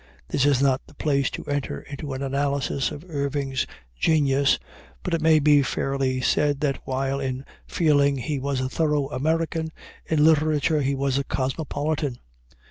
This is not the place to enter into an analysis of Irving's genius, but it may be fairly said that while in feeling he was a thorough American, in literature he was a cosmopolitan.